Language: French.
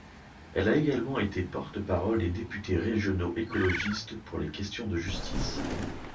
Elle a également été porte-parole des députés régionaux écologistes pour les questions de justice.